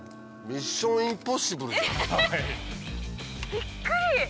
びっくり！